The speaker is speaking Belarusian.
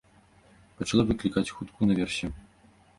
Пачала выклікаць хуткую наверсе.